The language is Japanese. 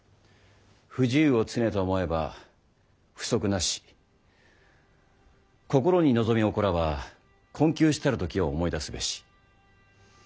「不自由を常と思えば不足なし心に望みおこらば困窮したる時を思い出すべし」。